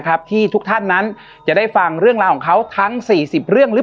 ที่ทุกท่านนั้นจะได้ฟังเรื่องราวของเขาทั้งสี่สิบเรื่องหรือ